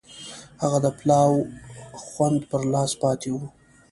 هغه د پلاو خوند پر لاس پاتې و.